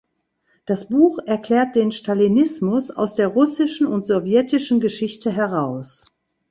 Das Buch erklärt den Stalinismus aus der russischen und sowjetischen Geschichte heraus.